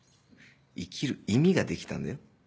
生きる意味ができたんだよ。